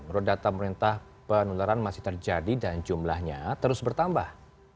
menurut data pemerintah penularan masih terjadi dan jumlahnya terus bertambah